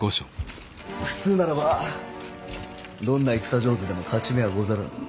普通ならばどんな戦上手でも勝ち目はござらん。